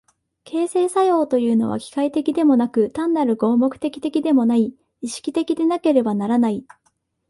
形成作用というのは機械的でもなく単なる合目的的でもない、意識的でなければならない。